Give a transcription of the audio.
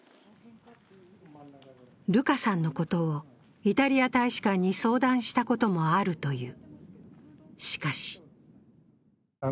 ルカさんのことをイタリア大使館に相談したこともあるという。